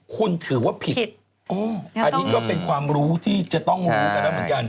คุณถือว่าผิดอันนี้ก็เป็นความรู้ที่จะต้องรู้กันแล้วเหมือนกัน